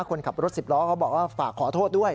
คนขับรถสิบล้อเขาบอกว่าฝากขอโทษด้วย